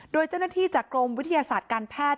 โดยเจ้าหน้าที่จากกรมวิทยาศาสตร์การแพทย์